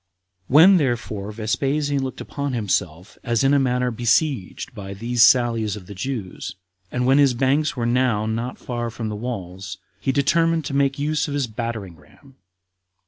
19. When, therefore, Vespasian looked upon himself as in a manner besieged by these sallies of the Jews, and when his banks were now not far from the walls, he determined to make use of his battering ram.